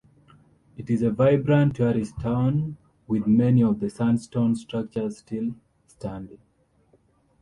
It is a vibrant tourist town, with many of the sandstone structures still standing.